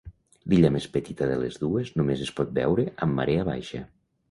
L'illa més petita de les dues només es pot veure amb marea baixa.